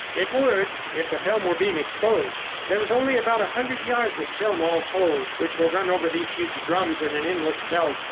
"It would, if the film were being exposed. There is only about a hundred yards of film all told, which will run over these huge drums in an endless belt.